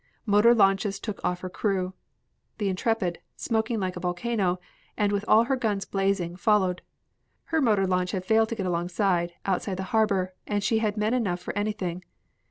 Motor launches took off her crew. The Intrepid, smoking like a volcano, and with all her guns blazing, followed. Her motor launch had failed to get alongside, outside the harbor, and she had men enough for anything.